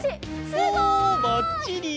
すごい！ばっちり！